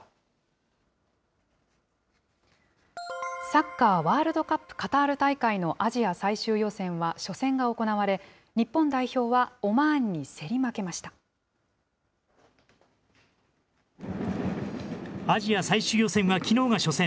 サッカーワールドカップ、カタール大会のアジア最終予選は初戦が行われ、日本代表はオマーアジア最終予選はきのうが初戦。